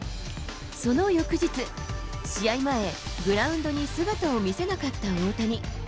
その翌日、試合前、グラウンドに姿を見せなかった大谷。